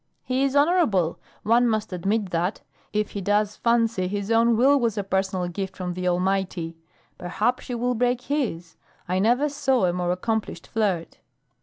"He is honorable. One must admit that, if he does fancy his own will was a personal gift from the Almighty. Perhaps she will break his. I never saw a more accomplished flirt."